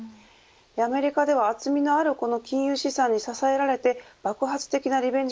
アメリカでは厚みのある金融資産に支えられて爆発的なリベンジ